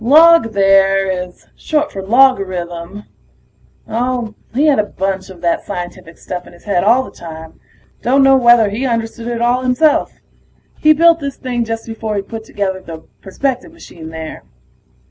Log, there, is short for logarithm. Oh, he had a bunch of that scientific stuff in his head all the time; dunno whether he understood it all himself. He built this thing just before he put together the perspective machine there.